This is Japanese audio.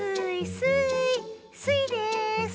スイです！